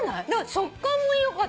食感もよかったよ。